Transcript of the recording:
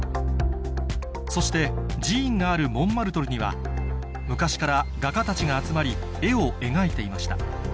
そして寺院があるモンマルトルには昔から画家たちが集まり絵を描いていました